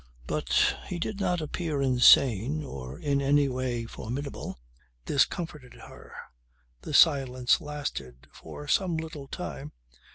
But he did not appear insane or in any other way formidable. This comforted her. The silence lasted for some little time.